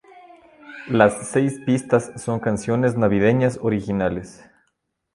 Las seis pistas son canciones navideñas originales.